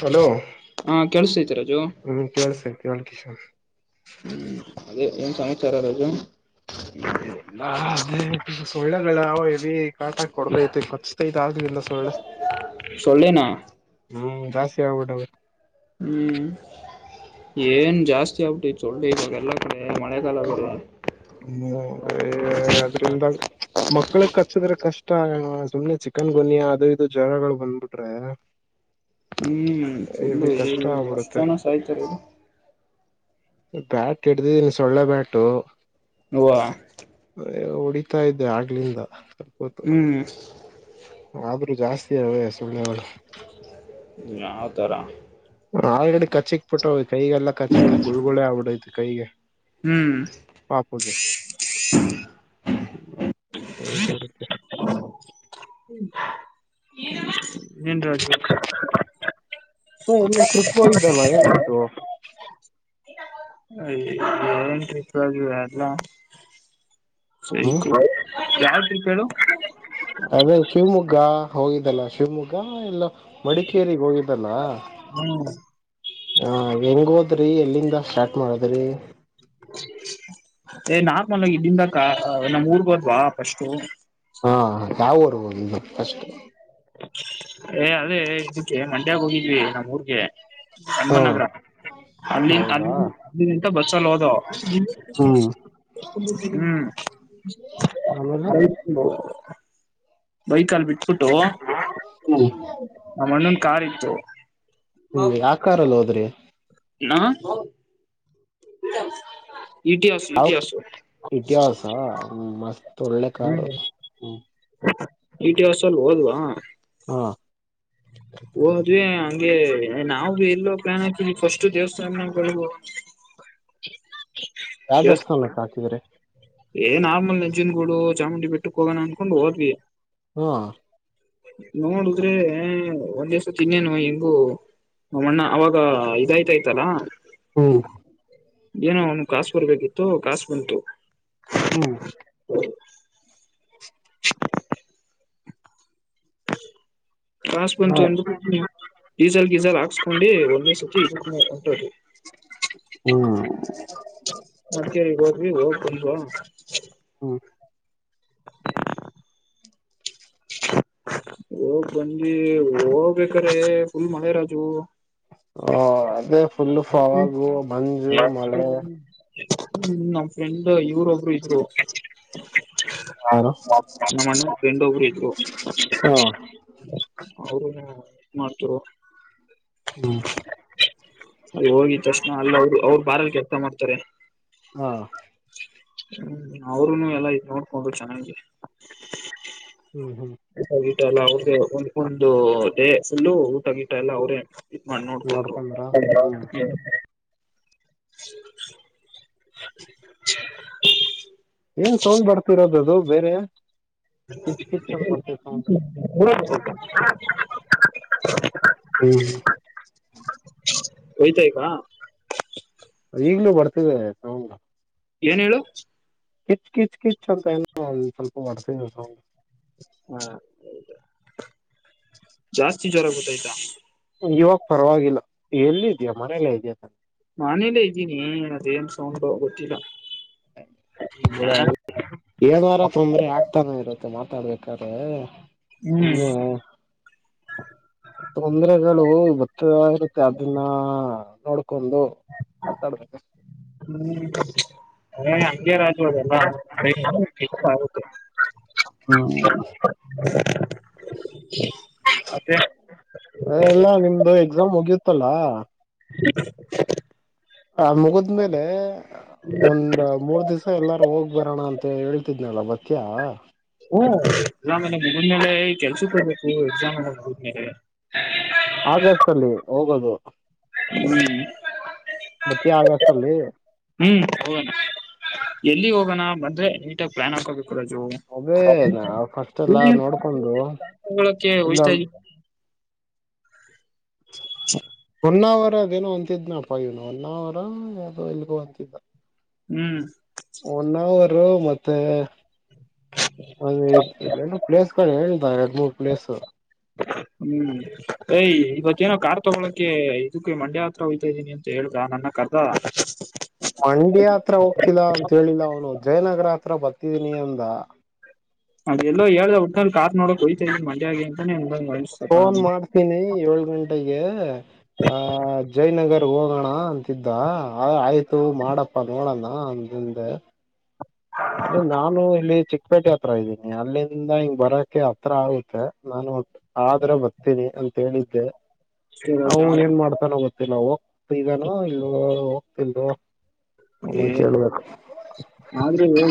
Hello ಹಾ ಕೇಳಸ್ತೈತೆ ರಾಜು ಹ್ ಕೆಲ್ಸ ಕೆಳಕೇಶಿನದ ಹ್ಮ್ ಅದೇ ಏನ್ ಸಮಾಚಾರ ರಜು ಏನಿಲ್ಲಾ ನಾ ಅದೇ ಸೊಳ್ಳೆಗಳ ಎಲ್ಲಿ ಕಾಟ ಕೊಡದೈತೆ ಖಚ್ತೈತ ಆದ ಇಲ್ಲ ಸೊಳ್ಳೆ ಸೊಳೆ ನಾ ಹ್ಮ್ ಜಾಸ್ತಿ ಆಗ್ಬಿಟ್ಟ ಅವ್ರರು ಹ್ಮ್ ಏನ್ ಜಾಸ್ತಿ ಆಗ್ಬಟು ಚೊಳ್ಳೆ ಇವಾಗ ಎಲ್ಲಾ ಕಡೆ ಮಳೆಗಾಲ ಕ ಹ್ಮ್ೇ ಅದ್ರಂದ ಮಕ್ಳಗ್ ಹಚ್ಚದ್ರೆ ಕಷ್ಟ ಸುಮ್ನೆ ಚಿಕನ್ ಗೊನಯಾ ಅದು ಇದು ಜ್ವರಗಳು ಬಂದ್ಬಿಟ್ರೆ [unintelligible] ಹ್ಮ್ ಚುಳ್ಳು ಹೆವಿ ಕಷ್ಟ ಹೇಳಲ್ಲಿ ಎಷ್ಟು ಆಗ್ಬಿಡುತ್ತೆ ಜನ ಸ ಆಾಯ್ತಾರೆ ಬ್ಯಾಟ್ ಇಡ್ದಿದೀನ್ ಸೊಳ್ಳೆ ಬ್ಯಾಟು ಹ ಅ ಹೊಡಿತಾ ಇದ್ದೆ ಆಗ್ಲಿಂದ ಸ್ವಲ್ಪತ್ತು ಹ್ಮ್ ಆದ್ರೂ ಜಾಸ್ತಿ ಅಲ್ವೇ ಸುಳ್ಳೆಗಳು ಯಾವತರ ಆಳಗಡೆ ಕಚ್ಚಿಕ್ ಪುಟ್ಟಾವ್ ಕೈಗೆಲ್ಲಾ ಕಚ್ಚುವ ಗುಳ್ುಳ ಆಗ್ಬಡು ಕೈಗೆ ಹ್ಮ್ ಪಾಪುಗೆ ೆ ಎನ್ ಹ ಇಲ್ಲ ತೃಪ್ ಹೋಗಿದ್ದಲ್ಲ ಏನಾಯ್ತು ಇ ಅಯ ೇನ್ಟ್ರಿಪ್ ಅ ಎಲ್ಲ ಸ ಹ್ಮ್ ಯಾವ ಟ್ರಿಪ್ ಹೇಳು ಅದೇ ಶಿವಮೊಗ್ಗ ಹೋಗಿದ್ದಲ್ಲ ಶಿವಮೊಗ್ಗ ಎಲ್ಲ ಮಡಿಕೇಗ್ ಹೋಗಿದ್ದಲ್ಲ ಹ್ಮ್ ಹ ಹೆಂಗ ಹೋದ್ರಿ ಎಲ್ಲಿಂದ ಸ್ಟಾರ್ಟ್ ಮಾಡದ್ರಿ ಏ ನಾರ್ಮಲ್ ಇಲ್ಲಿಂದ ನಮ್ಮ್ ರ್ ಹೋದ್ವಾ ಫಸ್ು ಹಾ ಯಾವರ್ ಫ ಏ ಅದೇ ಇದಕ್ಕೆ ಮಂಡ್ಯಾಗ ಹೋಗಿದ್ವಿ ನಮ್ಮ ಊರ್ಗೆ ಹಾ ಅಮ್ಮನ್ ನಗರ ಅಲ್ಲಿ ಹೌದಾ ಅಲ್ಲಿ ಅಲ್ಲಿಂತ ಬಸ್ಸಲ್ಲಿ ಹೋದ ಹ್ಮ್ ಹ್ಮ್ ಆಮೇಲೆ ಬೈಕಲ್ ಬಿಟ್ಬಿಟ್ಟು ಹ್ಮ್ ನ ಮಣ್ಣನ್ ಕಾರ್ ಇತ್ತು ಕಲ್ಲ ಹೋದ್ರಿ ನಾ ಇತಿ ಆಸು ಇತಿ ಆಸು ಮತ್ ಒಳ್ಳೆ ಕಾರ್ ಹ್ಮ ಈಟಿಿವಸಲ್ ಹೋದ್ವಾ ಹಾ ಓ ಹೋದ್ವಿ ಹಂಗೆ ನಾವು ಎಲ್ಲೋ ಪ್ಲಯಾನ್ ಹಾಕಿದವಿ ಫಸ್ಟ್ ದೇವಸ್ಥಾನಗಳು ಯಾವ ದೇವಸ್ಥಾನಕ್ಕೆ ಹಾಕಿದ್ರೆ ಏನ್ ನಾಮಲ್ ನಜನ್ ಗೂಡು ಚಾಮುಂಡಿ ಬೆಟ್ಟಕ್ ಹೋಗೋಣ ಅಂದನ್ಕೊಂಡ್ ಹೋದ್ವಿ. ಹಾಞ ನೋಡುದ್ರೆ ಒಂದ್ ದಿವಸ ತಿನ್ನೇನು ಹೆಂಗು ನಮ್ಮಣ್ಣ ಅವಾಗ ಇದಾಯ್ತಾಯಯ್ತಲ್ಲಾ. ಹ್ಮ್ ಏನೋ ಅವನು ಕಸ್ು ಬರ್ಬೇಕಿತ್ತು ಕಸ್ು ಬಂತು. ಹ್ಮ್ [inaudible] [inaudible] ಕಾಸ್ ಬಂತು ಅಂದ ಡೀಸಲ್ ಗೀಸಲ್ ಹಾಕ್ಸ್ಕೊಂಡು ಒಂದೇ ಸರ್ತಿ ಇದ್ರಿ ಹ್ಮ ಮತ್ತೇಗ್ ಹೋಗ್ಿ ಹೋಗ ಬಂದವು ಹ್ಮ ಹೋಗ ಬಂದಿ ಹೋಗ್ಬೇಕ್ರೆ ಫುಲ್ ಮಳೆ ರಾಜು ಹ ಅದೇ ಫುಲ್ವಾಗು ಮಂಜು ಮಳೆ ಹ್ಮ ನಮ್ ಫ್ರೆಂಡ್ ಇವ್ರ ಒಬ್ರು ಇದ್ರು ನಮ್ಮಣ್ಣ ರಂಡೊಬ್ರು ಇ ಹ್ಮ ಅವರು ಮಾಡ್ತರು ಹ್ಮ ಅದ ಹೋಗಿದ ತಕ್ಷಣ ಅಲ್ಲಿ ಅವರು ಅವ್ರು ಬಾರಲ್ ಕೆಲಸ ಮಾಡ್ತಾರೆ [unintelligible] ಹಾ ಹ್ಮ್ ಅವರುೂನು ಎಲ್ಲ ಇದ ನೋಡ್ಕೊಂಡ್ರು ಚೆನ್ನಾಗಿ ಹ್ಮ್ ಹ್ಮ್ ಊಟ ಗಿಟ ಎಲ್ಲಾ ಅವರಿ ದೇ ಒಂದು ಫುಲ್ಲು ಊಟಗಿಟ ಎಲ್ಲ ಅವ್ರೇ ಇ ಮಾಡ [inaudible] ನೋಡ್ಕೊಂಡು ನೋಡ್ಕೊಂಡ್ರ ಹ್ಮ್ [unintelligible] ಏನ್ ಸೌಡ್ ಬರ್ತಿರೋದದು ಬೇರೆ ಕಿಚ್ ಕಿಚ್ ಅಂತ ಬರ್ತ ಸೌಂಡ್ [inaudible] ಹ್ಮ ಒಯ್ತಾ ಈಗ ಈಗ್ಲೂ ಬರ್ತಿದೆ ಸೌಂಡ್ ಏನ್ ಹೇಳು ಕಿಚ್ ಕಿಚ್ ಕಿಚ್ ಅಂತ ಏನು ಸ್ವಲ್ಪ ಬರ್ತಿದೆ ಸೌಂಡ್ ಹಾ ಜಾಸ್ತಿ ಜ್ವರ ಗತ್ತ ಆಯ್ತಾ ಇವಾಗ ಪರವಾಗಿಲ್ಲ ಎಲ್ಲ ಇದ್ಯಾ ಮನೆಯಲ್ಲಾ ಇದೆಯ ತ ನಾನೆಲ್ಲೇ ಇದ್ದೀ ಏ ಅದೇ ಅನ್ ಸೌಂಡ್ ಭಾವ ಗೊತ್ತಿಲ್ಲ [unintelligible] ಏನಾರ ತೊಂದ್ರೆ ಆಗ್ತಾನ ಇರುತ್ತೆ ಮಾತಾಡ್ಬೇಕಾದ್ರೆ ಹ್ಮ್ ಸುಮ ತೊಂದರೆಗಳು ಬತ್ತ ಇರುತ್ತೆ ಅದನ್ನ ನೋಡ್ಕೊಂಡು ಮಾತಾಡ್ಬೇಕು ಹ್ಮ್ ಹಂಗ ರಾಜುವದೆಲ್ಲ ಆಗೆ ಹ್ಮ್ [inaudible] ಎಲ್ಲ ನಿಮ್ದು ಎಕ್ಸಾಮ್ ಹೋಗಿತ್ತಲ್ಲ [unintelligible] ಆ ಮುಗಿದ್ಮೇಲೆ ಒಂದ್ ಮೂರ್ ದಿವ್ಸ ಎಲ್ಲಾರು ಹೋಗ್ ಬರೋಣ ಅಂತ ಹೇಳ್ತಿದ್ನಳ ಬತ್ಯ ಹಓ ಎಕ್ಸಾಮ್ ಮುಗದ್ಲೆ ಕೆಲ್ಸ ಕೊಬೇಕು ಎಕ್ಸಾಮ್ ಮುಗದ್ ಮೇಲೆ ಆಗಸ್ಟ್ ಅಲ್ಲಿ ಹೋಗೋದು ಹ್ಮ್ ಬತ್ಯಾ ಆಗಸ್ಟ್ ಅಲ್ಲಿ ಹ್ಮ್ ಹೋಗೋಣ ಎಲ್ಲಿ ಹೋಗೋಣ ಬಂದ್ರೆ ನೀಟಾಗಿ ಪ್ಲಾನ್ ಹಾಕೋಬೇಕು ರಾಜು ಅದೇ ಫಸ್ಟ್ ಎಲ್ಲಾ ನೋಡ್ಕೊಂಡು ಇಲ್ಲ [unintelligible] [inaudible] [unintelligible] ಒನ್ ಅವರ್ ಅದೇನೋ ಅಂತಿದ್ನಪ ಏನ್ ಒನ್ ಅವರ್ ಯಾವೋ ಇಲ್ಗೋ ಅಂತಿದ್ದ ಹ್ಮ್ ಒನ್ ಅವರ್ ಮತ್ತೆ ನು ಪ್ಲೇಸ್ಗಳು ಹೇಳ್ತ ಎಡು ಮೂರು ಪ್ಲೇಸ್ ಹ್ಮ್ ಏಯ್ ಇವತ್ತೇಏನೋ ಕಾರ್ ತಗೊಳಕ್ಕೆ ಇದಕ್ಕೆ ಮಂಡ್ಯ ಹತ್ರ ಹೋಯ್ತಾ ಇದ್ದೀನಿ ಅಂತ ಹೇಳುದ ನನ್ನ ಕರ್ದ ಮಂಡ್ಯ ಹತ್ರ ಹೋಗ್ತಿಲ್ಲ ಅಂತ ಹೇಳಿಲ್ಲ ಅವನು ಜಯನಗರ ಹತ್ರ ಬರ್ತಿದೀನಿ ಅಂದ ಅದೆಲ್ಲೋ ಹೇಳ್ದ ಒಟ್ನಲ್ಲಿ ಕಾರ್ ನೋಡಕ್ ಹೊಯತ ಮಂಡ್ಯ ಗೆ ಅಂತನೆ ಅಂದಂಗಾಯ್ತು ಫೋನ್ ಮಾಡ್ತೀನಿ ಏಳು ಗಂಟೆಗೆ ಹ ಜೈ ನಗರ ಹೋಗೋಣ ಅಂತಿದ್ದ ಆಯ್ತು ಮಾಡಪ್ಪ ನೋಡಣ ಅಂದಿಂದೆ ಅದೇ ನಾನು ಇಲ್ಲಿ ಚಿಕ್ಕಪೇಟೆ ಹತ್ರ ಇದ್ದೀನಿ ಅಲ್ಲಿಂದ ಹಿಂಗ್ ಬರಕೆ ಹತ್ರ ಆಗುತ್ತೆ ನಾನು ಆದ್ರ ಬರ್ತೀನಿ ಅಂತ ಹೇಳಿದ್ದೆ ಅವನ ಏನ್ ಮಾಡ್ತಾನೋ ಗೊ ನಾ ಹೋಗ್ತ ಇದಾನೋ ಇಲ್ ಹೋಗ್ತಿಲ್ದು ಅವ ಕೇೇಳಳ್ಬೇಕು ಆದ್ರೆ ಹ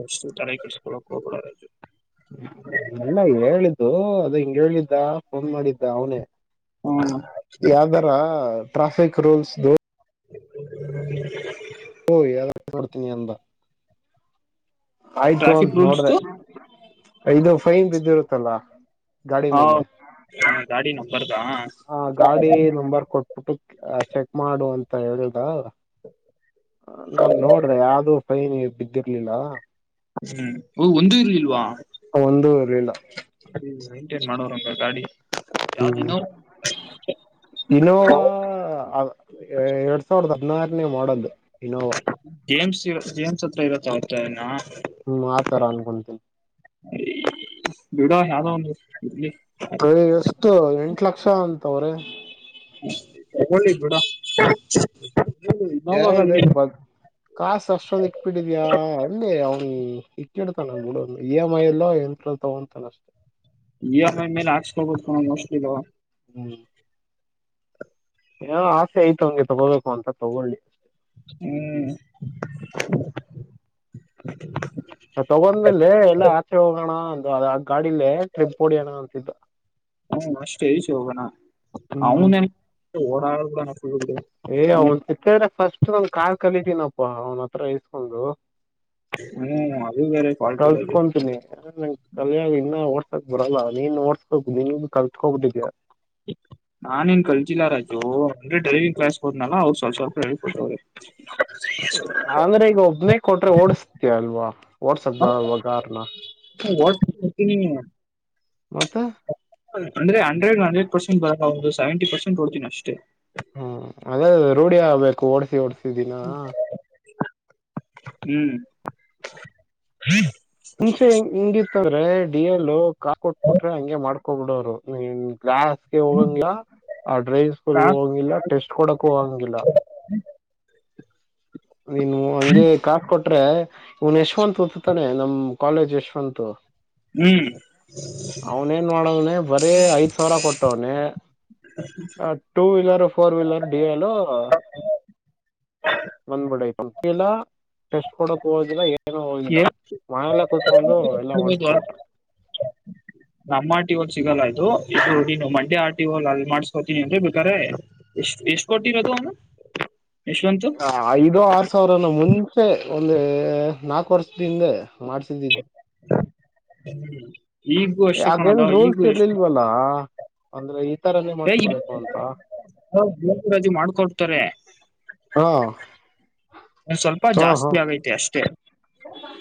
ಎಷ್ಟು ತಡೆ ಕೆಡಸ್ಕೊಡಕ್ ಹೋಗಬಡದು ಇಲ್ಲ ಹೇಳಿದ್ದು ಅದು ಹಿಂಗ್ ಹೇಳಿದ್ದ ಫೋನ್ ಮಾಡಿದ್ದ ಅವನೇ ಹ್ಮ್ ಯಾವ್ದಾರ ಟ್ರಾಫಿಕ್ ರೂಲ್ಸ್ ದ [unintelligible] ಓ ಯಾರ ಬರ್ತೀನಿ ಅಂದ ಆಯ್ತು ಟ್ರಾಫಿಕ್ ಅಂತ ನೋಡ್ದೆ ರೂಲ್ಸ್ದು ಇದು ಫೈನ್ ಬಿದ್ದಿರುತ್ತಲ್ಲ ಗಾಡಿ ಮೇಲೆ ನ ಗಾಡಿ ನಂಬರ್ದಾ ಆ ಗಾಡಿ ನಂಬರ್ ಕೊಟ್ಬಿಟ್ಟು ಚೆಕ್ ಮಾಡು ಅಂತ ಹೇಳಿದ ನಾ ನೋಡ್ದೆ ಯಾವ್ದೂ ಫೈನ್ ಬಿದ್ದಿರ್ಲಿಲ್ಲ ಹ್ಮ್ ಓ ಒಂದೂ ಇರ್ಲಿಲ್ವಾ ಒಂದೂ ಇರ್ಲಿಲ್ಲ ಅದು ಮೈಂಟೇನ್ ಮಾಡೋರಲ್ಲ ಗಾಡಿ ಹ್ಮ್ ಯಾವ್ದಿನೋ ಇನೋವಾ ಎರಡ್ ಸಾವಿರದ ಹದಿನಾರನೇ ಮಾಡಲ್ ಇನೋವಾ ಗೇಮ್ಸ್ ಇ ಗೇಮ್ಸ್ ಹತ್ರ ಇರತ್ತ ಆಯತ ನಾ ಹ್ಮ್ ಆತರ ಅನ್ಕೊಂತೀನಿ [unintelligible] ಅ ಎಷ್ಟು ಎಂಟ ಲಕ್ಷ ಅಂತವ್ರಿ ತಗೊಂಡಿದ್ಬುಡ ಯ ಹೇಳ್ದೇ ಬ ಕಸ್ ಅಷ್ಟೊಂದ ಇಕ್ಬಿಟ್ಟಿದ್ಯಾ ಅಲ್ಲಿ ಅವ್ನು ಇಕ್ಿಡ್ತ ನ ಬಿಡ ಇ ಎಮ್ ಐ ಎಲ್ಲೋ ಎಂ ತಗೊಂತ ಅಷ್ಟೆ ಇ ಆರ್ ಐ ಮೇಲೆ ಹಾಕ್ಸ್ಕೊಬಬೇಕು ಕೋ ಮುಸ್್ಲ್ ಹ್ಮ್ ಏನೋ ಆಸೆ ಆಯ್ತು ಅವಂಗೆ ತಗೋಬೇಕು ಅಂತ ತಗೊಳ್ಳಿ ಹ್ಮ್ ತಗೊಂಡ್ರೇಲೆ ಎಲ್ಲಾ ಆಚೆ ಹೋಗೋಣ ಅ ಆ ಗಾಡಲ್ಲೇ ಟ್ರಿಪ್ ಹೊಓಡಿಯೋಣ ಅಂತಿದ್ದು ಹ್ಮ್ ಅಷ್ಟು ಹಜ ಹೋಗೋಣ ಹ್ಮ್ ಅವನು ಓಡಾಡ ಏ ಅವ್ನ್ ಚಿತ್ತ ಅಂದ್ರೆ ಫಸ್ಟ್ ನಂದ ಕಾ ಕಲಿತೀನಪ್ಪ ಅವನ ಹತ್ರ ಇಸ್ಕೊಂಡು ಹ್ಮ್ ಅದು ಬೇರೆ ಫಾಲ್ಟ್ ರಾಜು ಕಳ್ಸ್ಕೊಂತೀನಿ ಕಲ್ಯಾಗ ಇನ್ನ ಓಡ್ಸಕ್ ಬರಲ್ಲಾ ನೀನ್ ಓಡ್ಸ್ಕೋು ನೀ ಕಲ್ತ್ ಹೋಗದ ನಾನ ನ್ ಕಲ್ಚಿಲ್ಲ ರಾಜು ಅಂದ್ರೆ ಡ್ರೈವಿಂಗ್ ಕ್ಲಾಸ್ ಹೋದ್ನಲ್ಲ ಅವ ಸ್ವಲ್ಪ ಸ್ವಲ್ಪ ಹೇಳ ಕೊಟ್ಟವ್ರಿ ಅಂದ್ರೆ ಈಗ ಒಬ್ನೇ ಕೊಟ್ರೆ ಓಡಸ್ತ ಅಲ್ವಾ ಓಡ್ಸಕ್ ಬಲ್ವಗಾರ್ನ ವಾ್ತಿ ನೀ ಮತ್ತೆ ಅಂದ್ರೆ ಹಂಡ್ರೆಡ್ ಹಂಡ್ರೆಡ್ ಪರ್ಸೆಟ್ ಒಂದು ಸೆಂವೆನ್ ಟಿ ಪರ್ಸಂಟ್ ಹೊಡ್ತೀನಿ ಅಷ್ಟೇ ಹ್ಮ್ ಅದೇ ರೂಢಿ ಆಗ್ಬೇಕು ಓಡ್ಸಿ ಓಡ್ಸಿದಿನಾ ಹ್ಮ್ ಮುಂಚೆ ಹಿಂಗಿತ್ತದ್ರೆ ಡಿ ಎಲ್ ಕಾ ಕೊಟ್ಬಿಟ್ರೆ ಹಂಗೆ ಮಾಡ್ ಬಿಡೋರು ನೀನ್ ಗ್ಲಾಸ್ಗೆ ಹೋಗಂಗಿಲ್ಲ ಆ ಡ್ರೈಂಗ್ ಸ್ಕೂಲ್ ಕಾ ಹೋಗಂಗಿಲ್ಲ ಟೆಸ್ಟ್ ಕೊಡಕ್ಕೂ ಹೋಗಂಗಿಲ್ಲ ನೀನು ಹಂಗೆ ಕಾಸು ಕೊಟ್ರೆ ಇವನ್ ಯಶವಂತ್ ಗೊತ್ತು ತಾನೇ ನಮ್ ಕಾಲೇಜ್ ಯಶವಂತ್ ಹ್ಮ್ ಅವನ ಏನ್ ಮಾಡದ್ನನೆ ಬರೀ ಐದ್ ಸಾವಿರ ಕೊಟ್ಟವ್ನ ಹ್ಮ two wheeler four wheeler dual ಬಂದ್ಬಡ ಟೆಸ್ಟ್ ಕೊಡಕ್ ಹೋದಿಲ್ಲ ಏನ ಹೋಗಿಲ್ಲ ಮನೆಯಲ್ಲ ಕುೂತ್ಕೊಂಡು ಎಲ್ಲಾ ಓಡಸ್ಕೊಬಿಟ ನಮ್ಮ್ ಆರ್ಟಿ ಲ್ ಸಿಗಲ್ಲ ಇದು ಇದು ನೀನು ಮಂಡೆ ಆರ್ಟಿ ಲ್ ಅಲ್ಲಿ ಮಾಡ್ಸ್ಕೋತೀನಿ ಅನ್ರಿ ಬೇಕಾರೆ ಎಷ್ಟು ಎಷ್ಟು ಕೊಟ್ಟಿರೋದು ಅವನು ಯಶವಂತ್ ಐದುೋ ಆರ್ ಸಾವಿರನ ಮುಂಚೆ ಒಂದು ನಾಲ್ಕು ವರ್ಷದಿಂದ ಮಾಡ್ ಸ ಹ್ಮ ಈಗೂ ಅಷ್ಟೇ ಕಣ ಲೊ ಈಗೂ ಎಷ್ಟು ಇವಲ್ಲಾ ಅಂದ್ರೆ ಈ ತರನೇ ಏ, ಈ- ಮಾಡಸ್ಕೊಬೇಕು ಅಂತ ರಜೆ ಮಾಡ್ಕೊಡ್ತಾರೆ ಹೇಳು ಒ ಸ್ವಲ್ಪ ಜಾಸ್ತಿ ಆಗೈತೆ ಅಷ್ಟೇ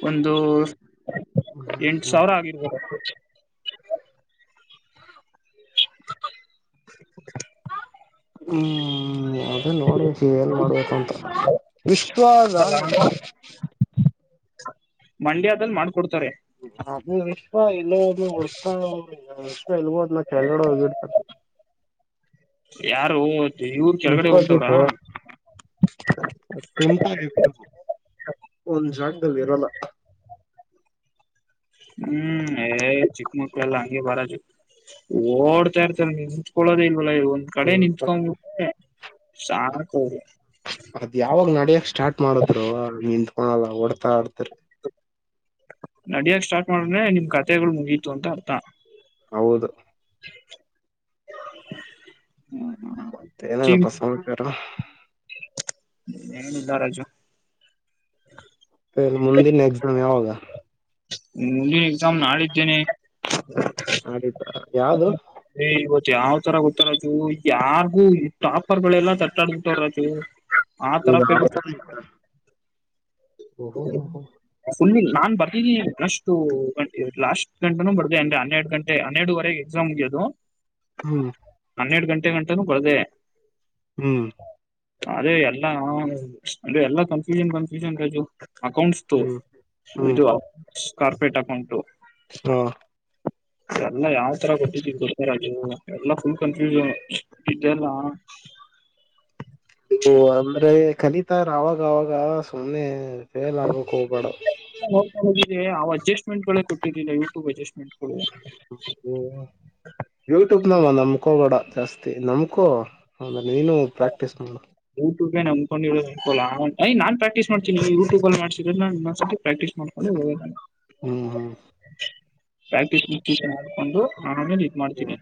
ಒಂದು ಎಂಟು ಸಾವಿರ ಆಗಿರ್ಬೋದು ಹ್ಮ್ ಅದೇ ನೋಡ್ಬೇಕು ಏನ್ ಮಾಡ್ಬೇಕು ಅಂತ ಅಲ್ಲ ವಿಶ್ವಾಸಾನದು ಮಂಡ್ಯದಲ್ಲಿ ಮಾಡ್ಕೊಡ್ತಾರೆ ಅ ವಿಶ್ವ ಇಲ್ಲೋದ್ ಉಡ್ತ ಇಲ್ಬೋದ್ನ ಕೆಲ್ಡೆ ಹೋಗಿಡ್ತಾರ ಯಾರು ಇವರು ಕೆಳಗಡೆ ವಿಶ್ವ ಹೋಗ್ತವ್ರಾ ಬಿಟ್ಟು ಒಂದ್ ಜಾಗದಲ್ಲಿ ಇರಲ್ಲ ಹ್ಮ್ ಏ ಚಿಕ್ಕಮಕ್ಕಳ ಎಲ್ಲ ಹಂಗೆ ಬರಾಜು ಓಡ್ತಾ ಇರ್ತಾರ ನೀ ನಿಂತ್ಕೊಳ್ಳೋದೇ ಇಲ್ವಲ್ಲ ಇವಂದು ಕಡೆ ನಿತ್ಕೊಂಡಬಿರೆ ಸಾಕೋರಿ ಅದ್ ಯಾವಾಗ್ ನಡ್ಯಕ್ ಸ್ಟಾರ್ಟ ಮಾಡುದ್ರು ನಿಂತ್ಕಳಲ್ಲ ಹೊಡ್ತಾ ಇರುತ್ತಾರೆ ನಡಿಯಕ್ ಸ್ಟಾರ್ಟ್ ಮಾಡಿದ್ರೆ ನಿಮ್ ಕತೆಗಳು ಮುಗಿತು ಅಂತ ಅರ್ಥ ಹೌದು ಹ್ಮ್ ಮತ್ತೆ ಏನಪ್ಪ ಸಮಾಚರ ಏ ದರಾಜು ಸರಿ ಮುಂದಿನ ಎಕ್ಸಾಮ್ ಯಾವಾಗ ಮುಂದಿನ ಎಕ್ಸಾಮ್ ನಾಳಿದ್ದೇನೆ ಮಾಡಿತ ಯಾವ್ದು ಏ ಇವತ್ ಯಾವ್ ತರ ಗೊತ್ತಾ ರಾಜು ಯಾರಿಗು ಟಾಪರ್ ಗಳೆಲ್ಲಾ ತಟ್ಟಾಬಿಟ್ಟಾರ ರಾಜು ಆ ತರ ಓಹೋ ಹ ಹ ಫುಲ್ಲಿ ನಾನ್ ಬರ್ದಿದ್ದೀಿ ಒಷ್ಟು ಲಾಸ್ಟ್ ಗಂಟನೂ ಬರ್ದ ಅಂದ್ರೆ ಹನ್ನೆರಡು ಗಂಟೆ ಹನ್ನೆಡುವರೆಗೆ ಎಕ್ಸಾಮ್ಗೆ ಮುಗಿಯೋದು ಹ್ಮ್ ಹನ್ನೆರಡು ಗಂಟೆ ಗಂಟನೂ ಬರದೆ ಹ್ಮ್ ಅದೇ ಎಲ್ಲಾ ಅಂದೆ ಎಲ್ಲಾ ಕನ್ಫ್ಯೂಷನ್ ಕನ್ಫ್ಯೂಷನ್ ರಜು ಅಕೌಂಟ್ಸ ಹ್ಮ್ ಹ್ಮ್ ಇದು ಕಾರ್ಪೊರೇಟ್ ಅಕೌಂಟು ಹಾ ಎಲ್ಲಾ ಯಾವ್ ತರ ಕೊೊಟ್ಟಿದ್ದ ಕೊಡ್ತಾರದು ಎಲ್ಲಾ ಫುಲ್ ಕನ್ಫ್ಯೂಶನ್ ಇದ್ದಲ್ಲ ಓ ಅಂದ್ರೆ ಕಲಿತ ಆಾಗವಾಗ ಸುಮ್ನೆ ಫೇಲ್ ಆಗಕ್ ಹೋಗ್ಬೇಡ ನ ಹೋಗಿದ್ದವಿ ಅಡ್ಜಸ್ಟ್ಮೆಂಟ್ ಕೊಟ್ಟಿದ್ದಿಲ್ಲ ಯೂಟ್ಯೂಬ್ ಅಡ್ಜಸ್ಟ್ಮೆಂಟ್ ಗಳು ಹಓ ಯೂಟ್ಯೂಬ್ನಾವ ನಮ್ಕೋಬೋಡ ಜಾಸ್ತಿ ನಮಕೋ ಅಂದ್ರ ನೀನು ಪ್ರಾಕ್ಟೀಸ್ ಮಾಡು ಯೂಟ್ಯೂಬ್ ನನ್ಕೊಂಡಿಯ ನಾ ಪ್ರಾಕ್ಟೀಸ್ ಮಾಡ್ನಿ ಯೂಟ್ಯೂಬ್ ಅ ಮಾಡಸಿದ್ರ ಪ್ರಕ್ಸ್ ಮಾಡ್ ಅ ಹ್ಮ್ ಹ್ಮ್ ಪ್ರಾಕ್ಟೀಸ್ ಮಾಡಕೊಂಡು ನಾನಮೇಲೆ ಇ ಮಾಡ್ತೀನಿ ಹ್ಮ್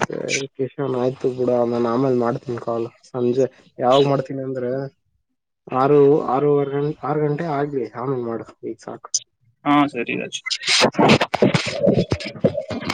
ಸರಿ ಕಿಶನ್ ಆಯ್ತು ಬೂಡ ನಾನ ಆಮೇಲ್ ಮಾಡ್ತೀನಿ ಕಾವಲು ಸಂಜೆ ಯಾವ್ ಮಾಡ್ತೀನಿ ಅಂದ್ರೆ ಆರು ಆರುಂ ಆರು ಗಂಟೆ ಆಗ್ಲಿ ಆಾಮೇನ್ ಮಾಡ ಈಗ ಸಾಕು ಹಾ ಸರಿ ಅ ಹ್ಮ್